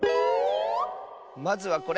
まずはこれ！